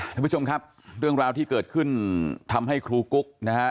ท่านผู้ชมครับเรื่องราวที่เกิดขึ้นทำให้ครูกุ๊กนะฮะ